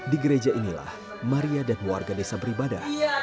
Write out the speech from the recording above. di gereja inilah maria dan warga desa beribadah